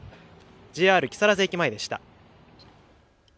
ＪＲ木更津駅前でした。